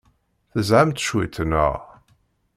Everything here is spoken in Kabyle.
Tezhamt cwiṭ, naɣ?